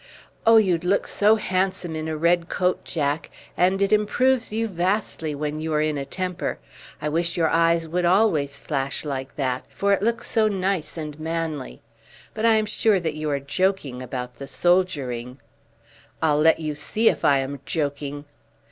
"Oh, you'd look so handsome in a red coat, Jack, and it improves you vastly when you are in a temper. I wish your eyes would always flash like that, for it looks so nice and manly. But I am sure that you are joking about the soldiering." "I'll let you see if I am joking."